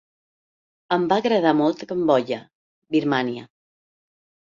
Em va agradar molt Cambodja, Birmània.